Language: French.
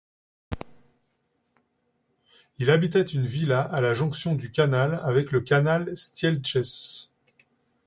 Il habitait une villa à la jonction du canal avec le Canal Stieltjes.